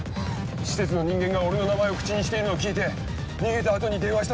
施設の人間が俺の名前を口にしているのを聞いて逃げた後に電話したと。